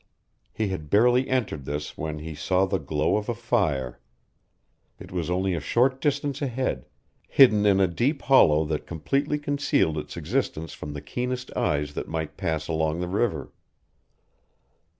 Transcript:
He had barely entered this when he saw the glow of a fire. It was only a short distance ahead, hidden in a deep hollow that completely concealed its existence from the keenest eyes that might pass along the river.